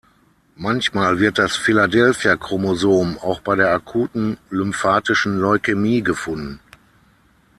Manchmal wird das Philadelphia-Chromosom auch bei der akuten lymphatischen Leukämie gefunden.